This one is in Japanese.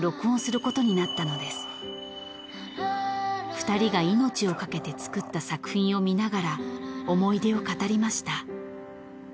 ［２人が命を懸けて作った作品を見ながら思い出を語りました］